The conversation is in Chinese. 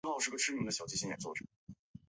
刻叶紫堇为罂粟科紫堇属下的一个种。